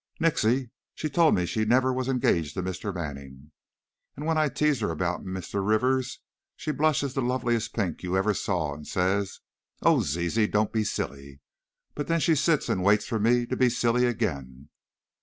"Nixy! she told me she never was engaged to Mr. Manning. And when I tease her about Mr. Rivers, she blushes the loveliest pink you ever saw, and says, 'Oh, Zizi, don't be a silly!' but then she sits and waits for me to be a silly again!"